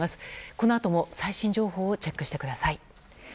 このあとも最新情報をチェックしてください。